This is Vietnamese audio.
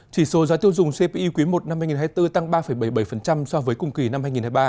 chỉ số giá tiêu dùng cpi quý i năm hai nghìn hai mươi bốn tăng ba bảy mươi bảy so với cùng kỳ năm hai nghìn hai mươi ba